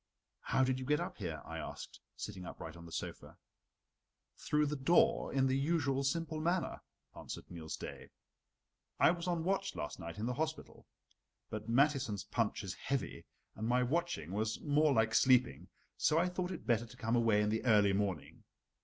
"How did you get up here?" I asked, sitting upright on the sofa. "Through the door in the usual simple manner," answered Niels Daae. "I was on watch last night in the hospital; but Mathiesen's punch is heavy and my watching was more like sleeping, so I thought it better to come away in the early morning.